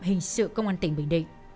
hình sự công an tỉnh bình định